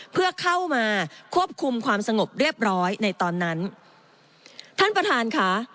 เพื่อเข้ามาควบคุมความสงบเรียบร้อยในตอนนั้นท่านประธานค่ะ